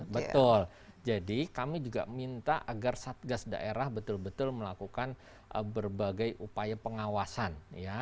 betul jadi kami juga minta agar satgas daerah betul betul melakukan berbagai upaya pengawasan